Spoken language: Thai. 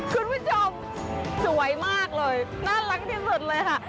คุณผู้ชมสวยมากเลยน่ารักที่สุดเลยค่ะ